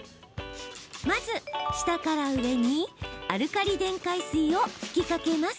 まず、下から上にアルカリ電解水を吹きかけます。